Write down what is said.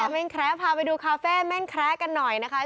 แม่นแคระพาไปดูคาเฟ่แม่นแคระกันหน่อยนะคะ